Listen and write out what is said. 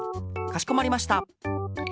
かしこまりました。